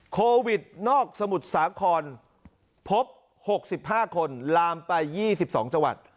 โควิดนอกสมุทรสาครพบ๖๕คนลามไป๒๒จังหวัด